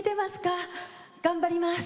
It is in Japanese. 頑張ります。